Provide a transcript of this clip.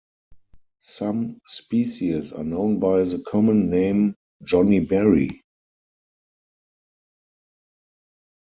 Some species are known by the common name johnnyberry.